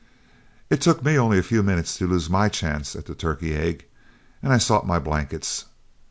It took me only a few minutes to lose my chance at the turkey egg, and I sought my blankets.